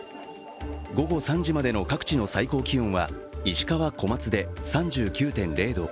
午後３時までの各地の最高気温は石川・小松で３９．０度。